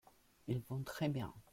Ils vont très bien.